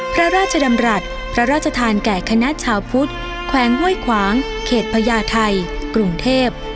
พระราชดำรัฐพระราชทานแก่คณะชาวพุทธแขวงห้วยขวางเขตพญาไทยกรุงเทพ